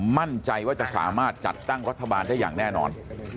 มั่นใจว่าจะสามารถจัดตั้งรัฐบาลได้อย่างแน่นอน